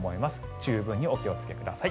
十分にお気をつけください。